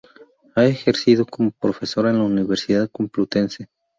Ha ejercido como profesora en la Universidad Complutense.